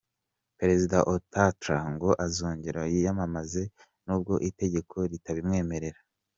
Perezida Ouattara ngo azongera yiyamamaze nubwo itegeko ritabimwemerera.